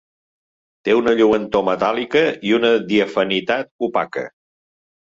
Té una lluentor metàl·lica i una diafanitat opaca.